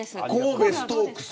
神戸ストークス。